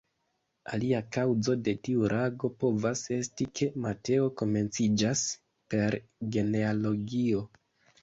Alia kaŭzo de tiu rango povas esti, ke Mateo komenciĝas per genealogio.